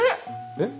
えっ？